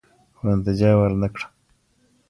خو نتيجه ورنه کړه.